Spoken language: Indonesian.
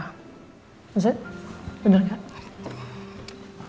masih bener gak